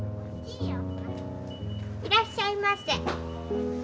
いらっしゃいませ。